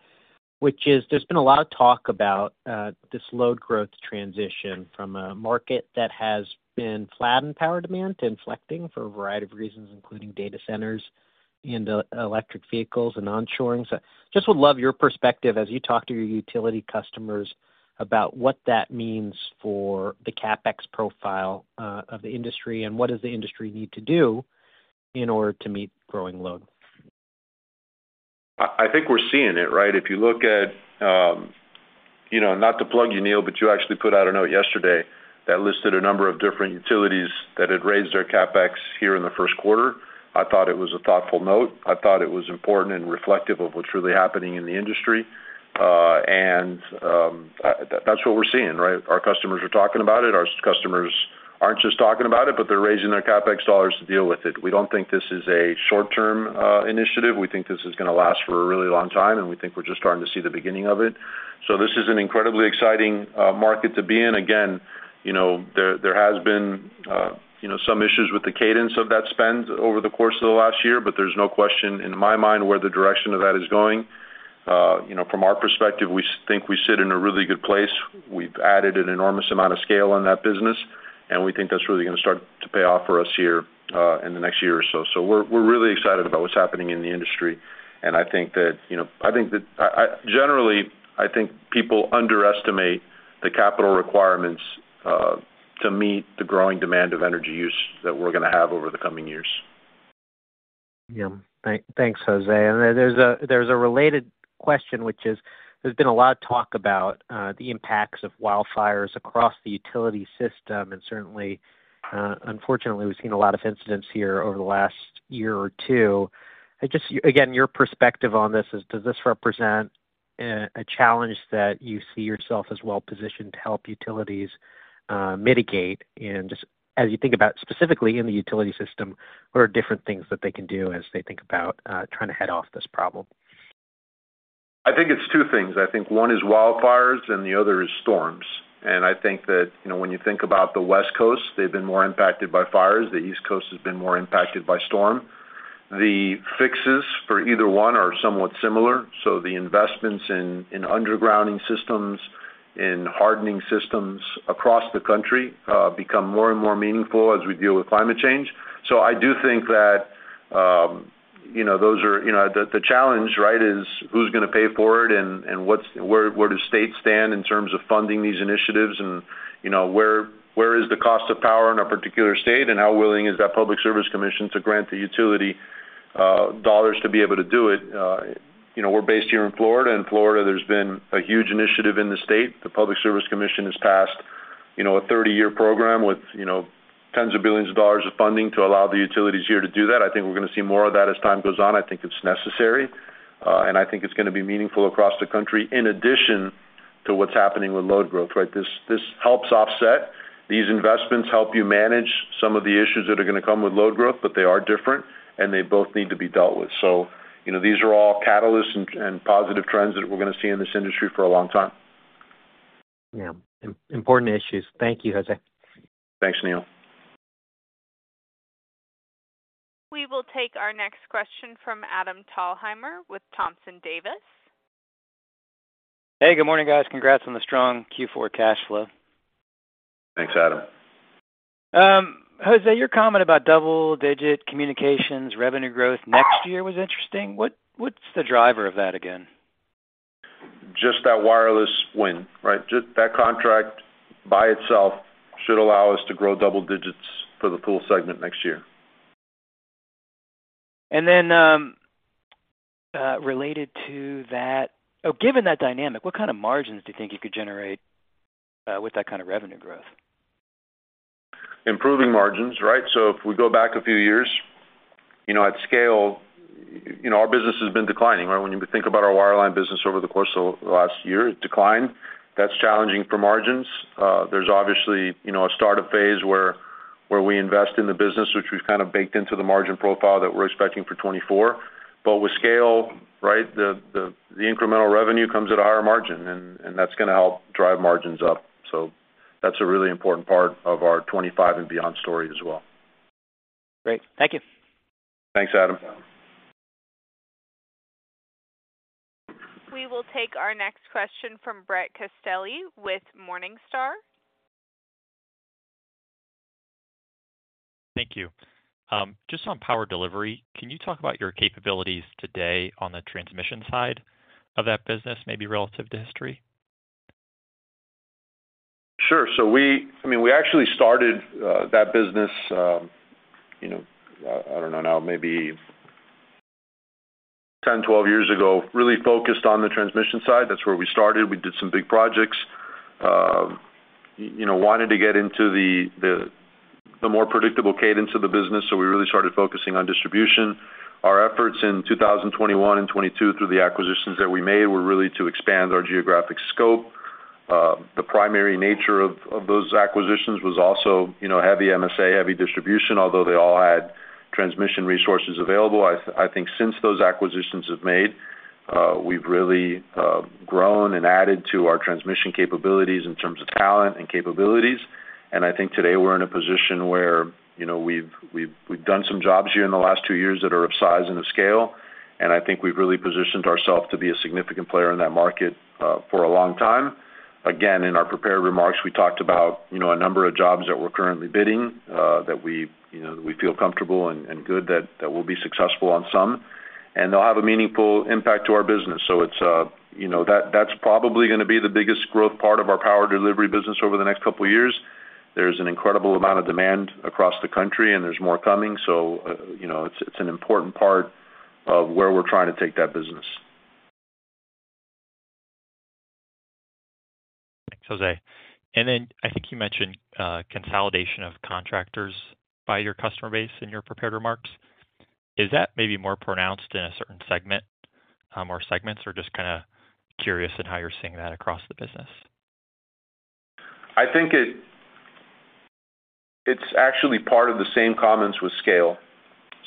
which is, there's been a lot of talk about this load growth transition from a market that has been flat in power demand to inflecting for a variety of reasons, including data centers and electric vehicles and onshoring. So just would love your perspective as you talk to your utility customers about what that means for the CapEx profile of the industry, and what does the industry need to do in order to meet growing load? I think we're seeing it, right? If you look at, you know, not to plug you, Neil, but you actually put out a note yesterday that listed a number of different utilities that had raised their CapEx here in the first quarter. I thought it was a thoughtful note. I thought it was important and reflective of what's really happening in the industry. And that's what we're seeing, right? Our customers are talking about it. Our customers aren't just talking about it, but they're raising their CapEx dollars to deal with it. We don't think this is a short-term initiative. We think this is gonna last for a really long time, and we think we're just starting to see the beginning of it. So this is an incredibly exciting market to be in. Again, you know, there, there has been, you know, some issues with the cadence of that spend over the course of the last year, but there's no question in my mind where the direction of that is going. You know, from our perspective, we think we sit in a really good place. We've added an enormous amount of scale in that business, and we think that's really gonna start to pay off for us here in the next year or so. So we're, we're really excited about what's happening in the industry, and I think that, you know, I think that... I, I, generally, I think people underestimate the capital requirements to meet the growing demand of energy use that we're gonna have over the coming years. Yeah. Thanks, José. And then there's a related question, which is: There's been a lot of talk about the impacts of wildfires across the utility system, and certainly, unfortunately, we've seen a lot of incidents here over the last year or two. I just—Again, your perspective on this is, does this represent a challenge that you see yourself as well-positioned to help utilities mitigate? And just as you think about specifically in the utility system, what are different things that they can do as they think about trying to head off this problem? I think it's two things. I think one is wildfires, and the other is storms. And I think that, you know, when you think about the West Coast, they've been more impacted by fires. The East Coast has been more impacted by storm. The fixes for either one are somewhat similar, so the investments in, in undergrounding systems, in hardening systems across the country, become more and more meaningful as we deal with climate change. I do think that, you know, those are... You know, the, the challenge, right, is who's gonna pay for it, and, and what's-- where, where do states stand in terms of funding these initiatives? And, you know, where, where is the cost of power in a particular state, and how willing is that public service commission to grant the utility, dollars to be able to do it? We're based here in Florida. In Florida, there's been a huge initiative in the state. The Public Service Commission has passed, you know, a 30-year program with, you know, tens of billions of dollars of funding to allow the utilities here to do that. I think we're gonna see more of that as time goes on. It's necessary, and I think it's gonna be meaningful across the country, in addition to what's happening with load growth, right? This, this helps offset. These investments help you manage some of the issues that are gonna come with load growth, but they are different, and they both need to be dealt with. So, you know, these are all catalysts and, and positive trends that we're gonna see in this industry for a long time. Yeah. Important issues. Thank you, Jose. Thanks, Neil. We will take our next question from Adam Thalhimer with Thompson Davis. Hey, good morning, guys. Congrats on the strong Q4 cash flow. Thanks, Adam. José, your comment about double-digit communications revenue growth next year was interesting. What's the driver of that again? Just that wireless win, right? Just that contract by itself should allow us to grow double digits for the full segment next year. And then, related to that... Oh, given that dynamic, what kind of margins do you think you could generate, with that kind of revenue growth? Improving margins, right? So if we go back a few years, you know, at scale, you know, our business has been declining, right? When you think about our wireline business over the course of the last year, it declined. That's challenging for margins. There's obviously, you know, a start-up phase where we invest in the business, which we've kind of baked into the margin profile that we're expecting for 2024. But with scale, right, the incremental revenue comes at a higher margin, and that's gonna help drive margins up. So that's a really important part of our 2025 and beyond story as well. Great. Thank you. Thanks, Adam. We will take our next question from Brett Castelli with Morningstar. Thank you. Just on power delivery, can you talk about your capabilities today on the transmission side of that business, maybe relative to history? Sure. So I mean, we actually started that business, you know, I don't know now, maybe 10, 12 years ago, really focused on the transmission side. That's where we started. We did some big projects. You know, wanted to get into the more predictable cadence of the business, so we really started focusing on distribution. Our efforts in 2021 and 2022, through the acquisitions that we made, were really to expand our geographic scope. The primary nature of those acquisitions was also, you know, heavy MSA, heavy distribution, although they all had transmission resources available. I think since those acquisitions have made, we've really grown and added to our transmission capabilities in terms of talent and capabilities. I think today we're in a position where, you know, we've done some jobs here in the last two years that are of size and of scale, and I think we've really positioned ourselves to be a significant player in that market for a long time. Again, in our prepared remarks, we talked about, you know, a number of jobs that we're currently bidding that we feel comfortable and good that we'll be successful on some, and they'll have a meaningful impact to our business. It's, you know, that's probably gonna be the biggest growth part of our power delivery business over the next couple of years. There's an incredible amount of demand across the country, and there's more coming, so, you know, it's an important part of where we're trying to take that business. Thanks, José. Then I think you mentioned consolidation of contractors by your customer base in your prepared remarks. Is that maybe more pronounced in a certain segment or segments? Or just kind of curious in how you're seeing that across the business. It's actually part of the same comments with scale.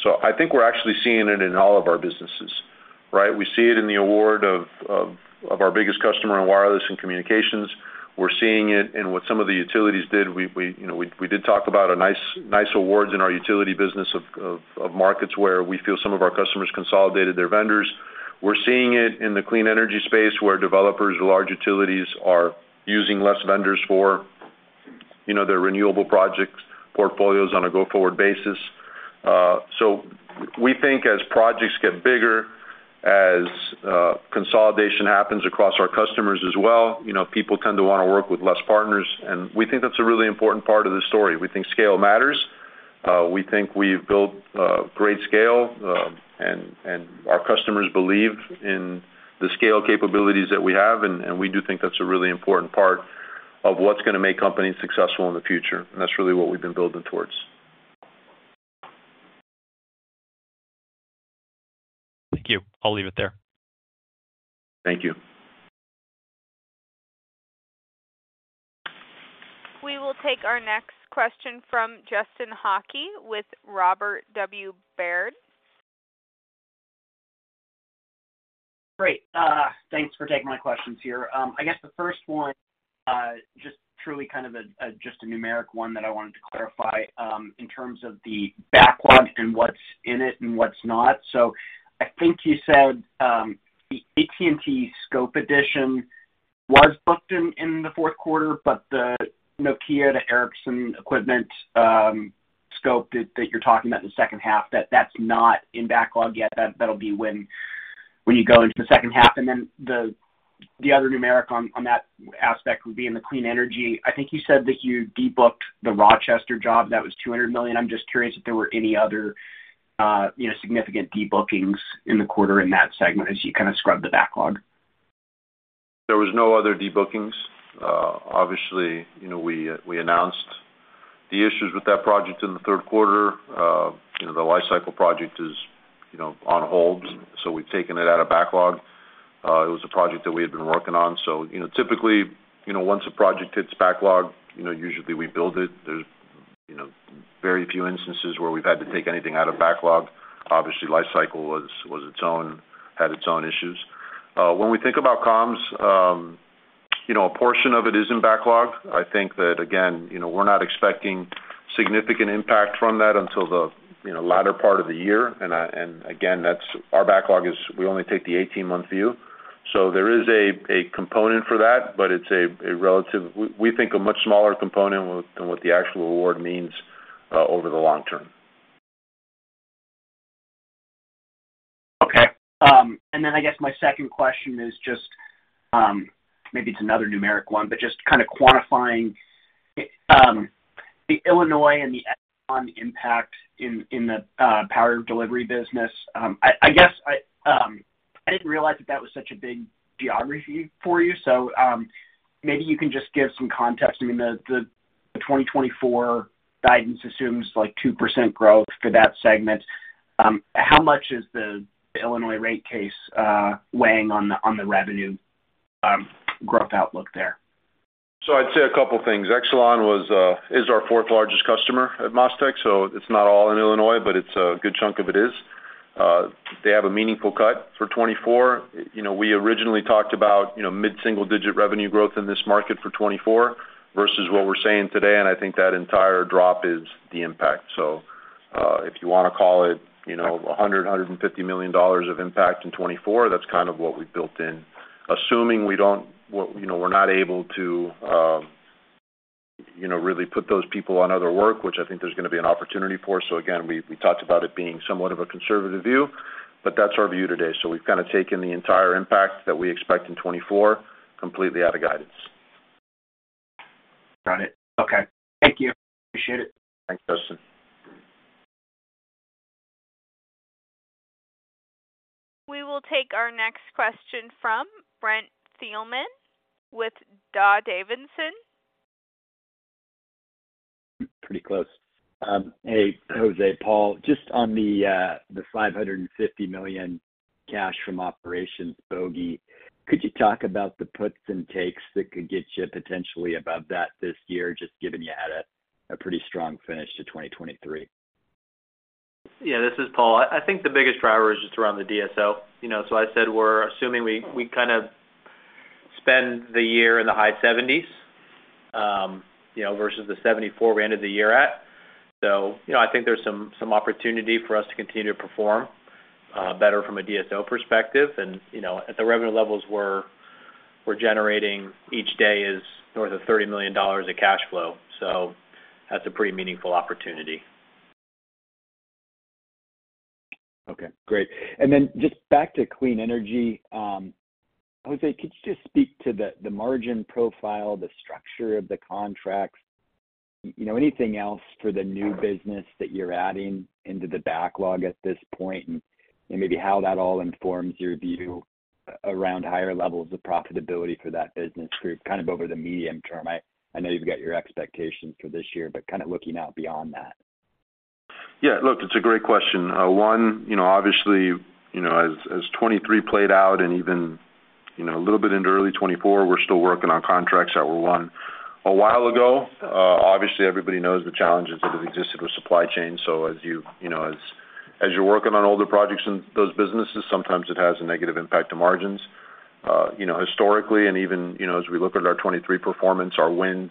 So I think we're actually seeing it in all of our businesses, right? We see it in the award of our biggest customer in wireless and communications. We're seeing it in what some of the utilities did. We, you know, did talk about nice awards in our utility business of markets where we feel some of our customers consolidated their vendors. We're seeing it in the clean energy space, where developers or large utilities are using less vendors for, you know, their renewable projects portfolios on a go-forward basis. So we think as projects get bigger as consolidation happens across our customers as well, you know, people tend to wanna work with less partners, and we think that's a really important part of the story. We think scale matters. We think we've built great scale, and our customers believe in the scale capabilities that we have, and we do think that's a really important part of what's gonna make companies successful in the future. That's really what we've been building towards. Thank you. I'll leave it there. Thank you. We will take our next question from Justin Hauke with Robert W. Baird. Great. Thanks for taking my questions here. I guess the first one, just truly kind of a, just a numeric one that I wanted to clarify, in terms of the backlog and what's in it and what's not. So I think you said, the AT&T scope addition was booked in, in the fourth quarter, but the Nokia, the Ericsson equipment, scope that, that you're talking about in the second half, that, that's not in backlog yet. That, that'll be when, when you go into the second half, and then the, the other numeric on, on that aspect would be in the clean energy. I think you said that you de-booked the Rochester job, that was $200 million. I'm just curious if there were any other, you know, significant de-bookings in the quarter in that segment as you kinda scrubbed the backlog? There was no other de-bookings. Obviously, you know, we announced the issues with that project in the third quarter. You know, the Li-Cycle project is, you know, on hold, so we've taken it out of backlog. It was a project that we had been working on. So, you know, typically, you know, once a project hits backlog, you know, usually we build it. There's, you know, very few instances where we've had to take anything out of backlog. Obviously, Li-Cycle was its own, had its own issues. When we think about comms, you know, a portion of it is in backlog. I think that, again, you know, we're not expecting significant impact from that until the, you know, latter part of the year. And again, that's, our backlog is we only take the 18-month view. So there is a component for that, but it's a relative... We think a much smaller component than what the actual award means, over the long term. Okay. And then I guess my second question is just, maybe it's another numeric one, but just kind of quantifying, the Illinois and the ongoing impact in the power delivery business. I guess I didn't realize that that was such a big geography for you, so, maybe you can just give some context. I mean, the 2024 guidance assumes like 2% growth for that segment. How much is the Illinois rate case weighing on the revenue growth outlook there? I'd say a couple things. Exelon was, is our fourth-largest customer at MasTec, so it's not all in Illinois, but it's a good chunk of it is. They have a meaningful cut for 2024. You know, we originally talked about, you know, mid-single-digit revenue growth in this market for 2024 versus what we're saying today, and I think that entire drop is the impact. So, if you wanna call it, you know, $100-$150 million of impact in 2024, that's kind of what we've built in. Assuming we don't, you know, we're not able to, you know, really put those people on other work, which I think there's gonna be an opportunity for. So again, we, we talked about it being somewhat of a conservative view, but that's our view today. So we've kinda taken the entire impact that we expect in 2024, completely out of guidance. Got it. Okay. Thank you. Appreciate it. Thanks, Justin. We will take our next question from Brent Thielman, with D.A. Davidson. Pretty close. Hey, José, Paul, just on the $550 million cash from operations bogey, could you talk about the puts and takes that could get you potentially above that this year, just given you had a pretty strong finish to 2023? Yeah, this is Paul. I think the biggest driver is just around the DSO. You know, so I said we're assuming we kind of spend the year in the high 70s, you know, versus the 74 we ended the year at. So, you know, I think there's some opportunity for us to continue to perform better from a DSO perspective. And, you know, at the revenue levels we're generating each day is north of $30 million of cash flow. So that's a pretty meaningful opportunity. Okay, great. And then just back to clean energy, José, could you just speak to the, the margin profile, the structure of the contracts, you know, anything else for the new business that you're adding into the backlog at this point, and maybe how that all informs your view around higher levels of profitability for that business group, kind of over the medium term? I know you've got your expectations for this year, but kind of looking out beyond that. Yeah, look, it's a great question. One, you know, obviously, you know, as 2023 played out and even, you know, a little bit into early 2024, we're still working on contracts that were won a while ago. Obviously, everybody knows the challenges that have existed with supply chain. So as you, you know, as you're working on older projects in those businesses, sometimes it has a negative impact to margins. You know, historically, and even, you know, as we look at our 2023 performance, our wind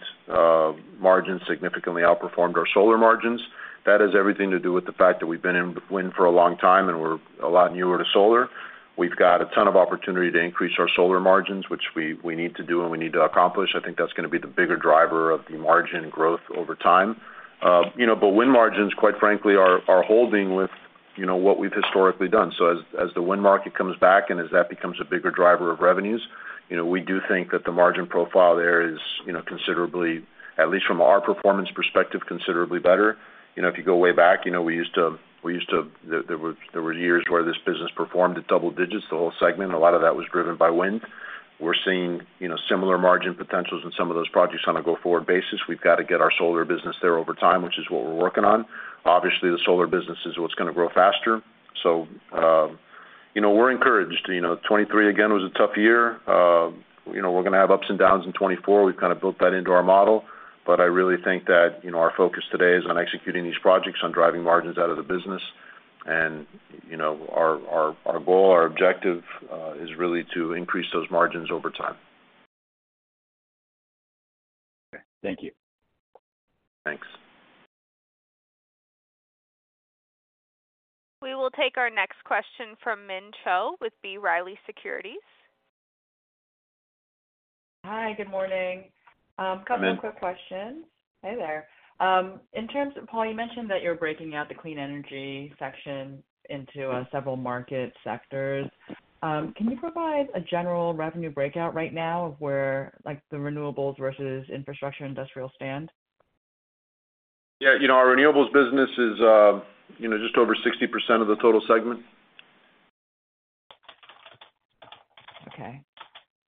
margins significantly outperformed our solar margins. That has everything to do with the fact that we've been in wind for a long time, and we're a lot newer to solar. We've got a ton of opportunity to increase our solar margins, which we need to do and we need to accomplish. I think that's gonna be the bigger driver of the margin growth over time. You know, but wind margins, quite frankly, are holding with, you know, what we've historically done. So as the wind market comes back and as that becomes a bigger driver of revenues, you know, we do think that the margin profile there is, you know, considerably, at least from our performance perspective, considerably better. You know, if you go way back, you know, we used to—there were years where this business performed at double digits, the whole segment, a lot of that was driven by wind. We're seeing, you know, similar margin potentials in some of those projects on a go-forward basis. We've got to get our solar business there over time, which is what we're working on. Obviously, the solar business is what's gonna grow faster. So, you know, we're encouraged. You know, 2023, again, was a tough year. You know, we're gonna have ups and downs in 2024. We've kind of built that into our model. But I really think that, you know, our focus today is on executing these projects, on driving margins out of the business, and, you know, our goal, our objective, is really to increase those margins over time. Thank you. Thanks. We will take our next question from Min Cho with B. Riley Securities. Hi, good morning. Min. Couple of quick questions. Hey there. In terms of, Paul, you mentioned that you're breaking out the clean energy section into several market sectors. Can you provide a general revenue breakout right now of where, like, the renewables versus infrastructure industrial stand? Yeah, you know, our renewables business is, you know, just over 60% of the total segment. Okay.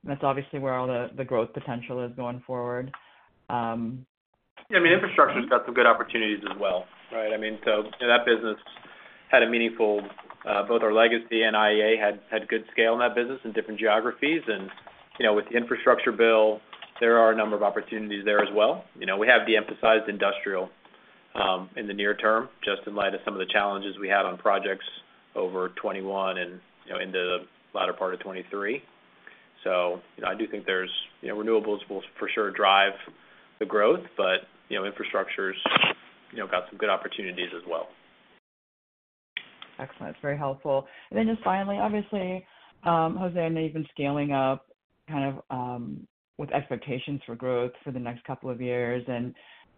That's obviously where all the growth potential is going forward. Yeah, I mean, infrastructure's got some good opportunities as well, right? I mean, so that business had a meaningful, both our legacy and IEA had good scale in that business in different geographies. And, you know, with the infrastructure bill, there are a number of opportunities there as well. You know, we have de-emphasized industrial in the near term, just in light of some of the challenges we had on projects over 2021 and, you know, into the latter part of 2023. So, you know, I do think there's, you know, renewables will for sure drive the growth, but, you know, infrastructure's got some good opportunities as well. Excellent. Very helpful. And then just finally, obviously, José, I know you've been scaling up kind of with expectations for growth for the next couple of years, and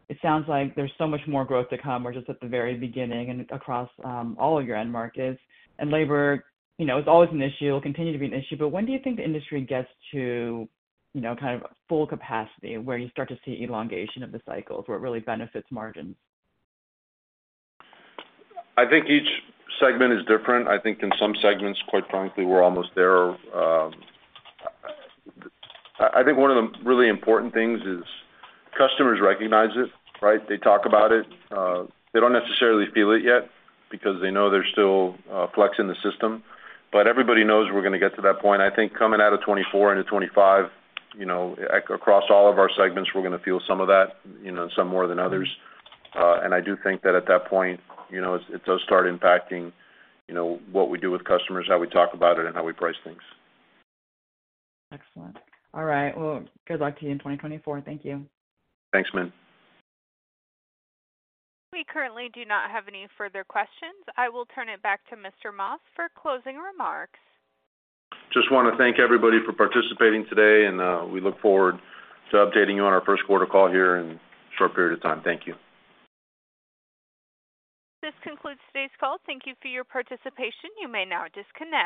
it sounds like there's so much more growth to come. We're just at the very beginning and across all of your end markets. And labor, you know, is always an issue, will continue to be an issue. But when do you think the industry gets to, you know, kind of full capacity, where you start to see elongation of the cycles, where it really benefits margins? I think each segment is different. I think in some segments, quite frankly, we're almost there. I think one of the really important things is customers recognize it, right? They talk about it. They don't necessarily feel it yet because they know there's still flex in the system, but everybody knows we're gonna get to that point. I think coming out of 2024 into 2025, you know, across all of our segments, we're gonna feel some of that, you know, some more than others. And I do think that at that point, you know, it does start impacting, you know, what we do with customers, how we talk about it, and how we price things. Excellent. All right. Well, good luck to you in 2024. Thank you. Thanks, Min. We currently do not have any further questions. I will turn it back to Mr. Mas for closing remarks. Just wanna thank everybody for participating today, and, we look forward to updating you on our first quarter call here in a short period of time. Thank you. This concludes today's call. Thank you for your participation. You may now disconnect.